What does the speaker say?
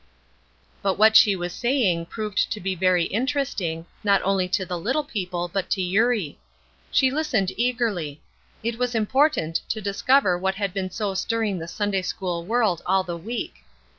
But what she was saying proved to be very interesting, not only to the little people, but to Eurie. She listened eagerly. It was important to discover what had been so stirring the Sunday school world all the week.